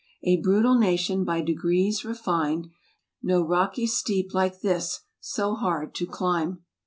A brutal nation by degrees refined : No rocky steep like this so hard to climb.